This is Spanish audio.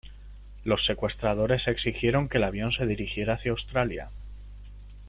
Los secuestradores exigieron que el avión se dirigiera hacia Australia.